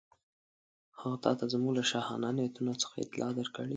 هغه تاته زموږ له شاهانه نیتونو څخه اطلاع درکړې.